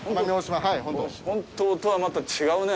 本島とはまた違うね。